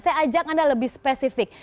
saya ajak anda lebih spesifik